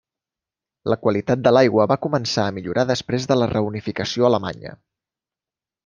La qualitat de l'aigua va començar a millorar després de la reunificació alemanya.